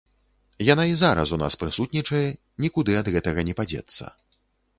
Яна і зараз у нас прысутнічае, нікуды ад гэтага не падзецца.